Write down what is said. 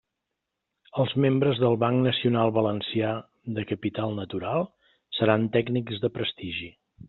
Els membres del Banc Nacional Valencià de Capital Natural seran tècnics de prestigi.